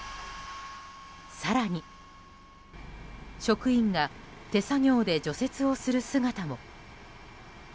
更に、職員が手作業で除雪をする姿も。